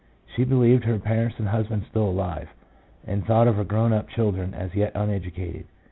She believed her parents and husband still alive, and thought of her grown up children as yet uneducated.